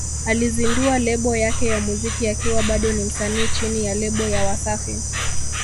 Alizindua lebo yake ya muziki akiwa bado ni msanii chini ya lebo ya Wasafi